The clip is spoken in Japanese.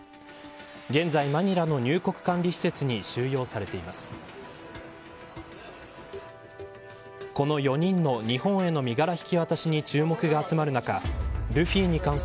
現在、マニラの入国管理施設に収容されています。